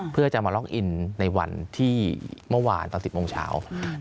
เพื่อจะมาล็อกอินในวันที่เมื่อวานตอน๑๐โมงเช้า